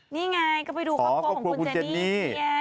นี่ไงก็ไปดูข้อคอยของคุณเจนี่